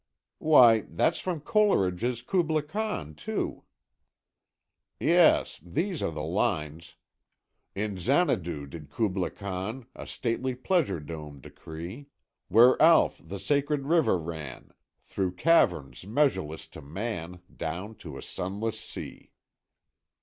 "Why, that's from Coleridge's 'Kubla Khan,' too." "Yes, these are the lines: "In Xanadu did Kubla Khan A stately Pleasure Dome decree; Where Alph, the sacred river ran Through caverns measureless to man Down to a sunless sea.